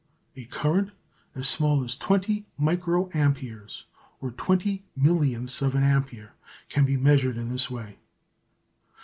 A current as small as twenty micro amperes (or twenty millionths of an ampere) can be measured in this way.